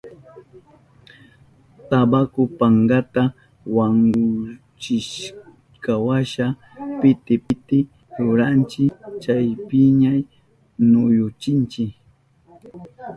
Tabaku pankata wankushkanchiwasha piti piti ruranchi, chaypiña ñuyuchinchi.